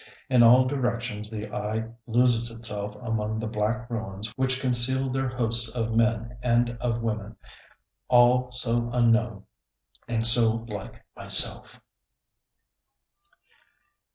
In all directions the eye loses itself among the black ruins which conceal their hosts of men and of women all so unknown and so like myself.